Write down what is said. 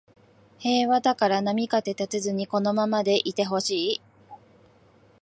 平和だから波風立てずにこのままでいてほしい